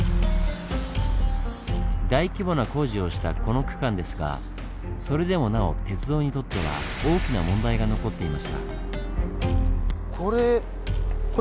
大規模な工事をしたこの区間ですがそれでもなお鉄道にとっては大きな問題が残っていました。